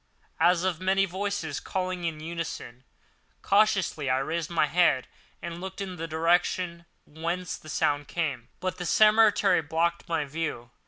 as of many voices calling in unison. Cautiously I raised my head and looked in the direction whence the sound came; but the cemetery blocked my view.